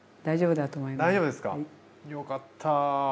大丈夫ですかよかった！